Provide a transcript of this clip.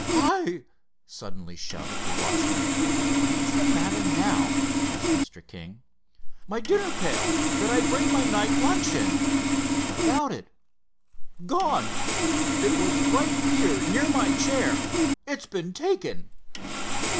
"Hi!" suddenly shouted the watchman. "What's the matter now?" asked Mr. King. "My dinner pail—that I bring my night lunch in." "What about it?" "Gone! It was right here near my chair. It's been taken."